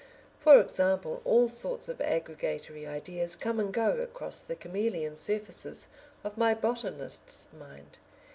For example, all sorts of aggregatory ideas come and go across the chameleon surfaces of my botanist's mind.